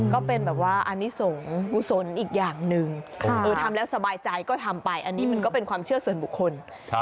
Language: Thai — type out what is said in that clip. ก็เป็นแบบว่าอนิสงฆ์กุศลอีกอย่างหนึ่งทำแล้วสบายใจก็ทำไปอันนี้มันก็เป็นความเชื่อส่วนบุคคล